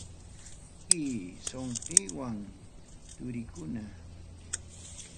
Tukuy sunquywan turiykuna.